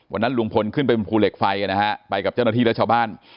วันนั้นลุงพลขึ้นไปบนภูเหล็กไฟนะฮะไปกับเจ้าหน้าที่และชาวบ้าน